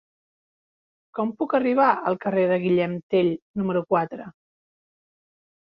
Com puc arribar al carrer de Guillem Tell número quatre?